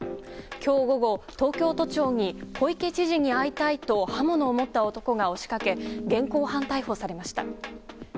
今日午後、東京都庁に小池知事に会いたいと刃物を持った男が押しかけ現行犯逮捕されました。